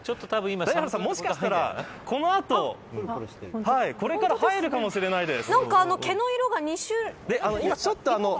もしかしたら、この後これから入るかもしれないです。